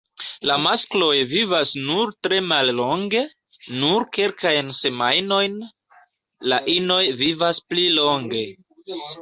La maskloj vivas nur tre mallonge, nur kelkajn semajnojn, la inoj vivas pli longe.